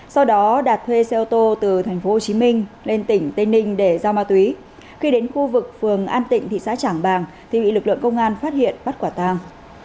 sau đó đạt thuê xe ô tô từ thành phố hồ chí minh lên tỉnh tây ninh để giao ma túy khi đến khu vực phường an tịnh thị xã trảng bàng thì bị lực lượng công an phát hiện bắt quả tàng